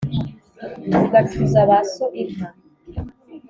ugacuza ba so inka